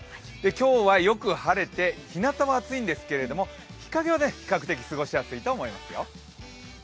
今日はよく晴れて、ひなたは暑いんですけど、日陰は比較的過ごしやすいと思いますよ。